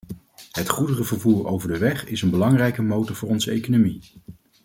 Het goederenvervoer over de weg is een belangrijke motor van onze economie.